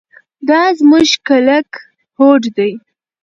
دا زموږ کلک هوډ دی.